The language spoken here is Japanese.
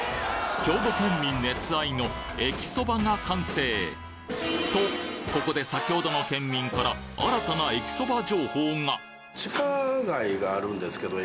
兵庫県民熱愛のえきそばが完成！とここで先ほどの県民からえきそば！？